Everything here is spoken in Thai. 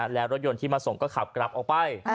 แล้วรถยนต์ที่มาส่งก็ขับกลับออกไป